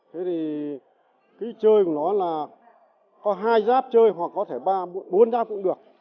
thế thì cái chơi của nó là có hai giáp chơi hoặc có thể ba bốn giáp cũng được